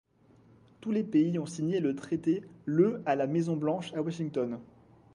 Tous les pays ont signé le traité le à la Maison-Blanche à Washington.